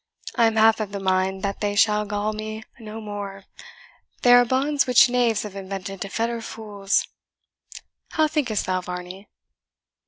I am half of the mind that they shall gall me no more. They are bonds which knaves have invented to fetter fools. How thinkest thou, Varney?"